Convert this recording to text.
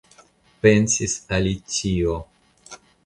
Pensis Alicio.